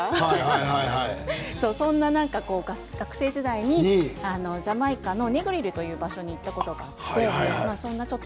そんな学生時代にジャマイカのネグリルという場所に行ったことがあって。